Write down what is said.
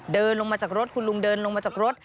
เดินลงมาจากรถคุณลุงเดินลงมาจากรถ